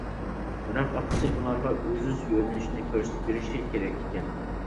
بىراق ئاپىسى ئۇلارغا ئۈزۈش يۆنىلىشىنى كۆرسىتىپ بېرىشى كېرەك ئىكەن.